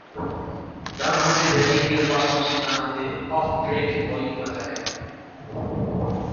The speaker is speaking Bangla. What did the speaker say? ডানহাতে ব্যাটিংয়ের পাশাপাশি ডানহাতে অফ ব্রেক বোলিং করে থাকেন।